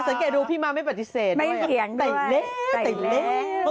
สังเกตดูพี่มาไม่ปฏิเสธเลยเหรอใส่เล้วไส้เล้ว